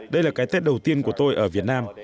đây là cái tết đầu tiên của tôi ở việt nam